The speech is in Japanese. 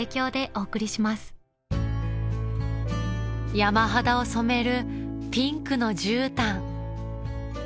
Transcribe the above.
山肌を染めるピンクのじゅうたん